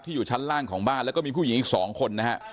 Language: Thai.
อยู่ชั้นล่างของบ้านแล้วก็มีผู้หญิงอีก๒คนนะฮะ